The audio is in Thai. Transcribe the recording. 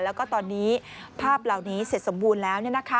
แล้วก็ตอนนี้ภาพเหล่านี้เสร็จสมบูรณ์แล้ว